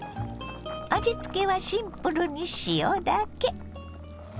味つけはシンプルに塩だけ。